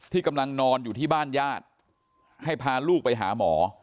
กำลังนอนอยู่ที่บ้านญาติให้พาลูกไปหาหมอ